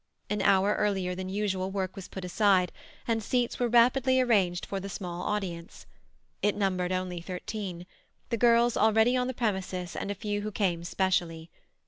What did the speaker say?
An hour earlier than usual work was put aside, and seats were rapidly arranged for the small audience; it numbered only thirteen—the girls already on the premises and a few who came specially.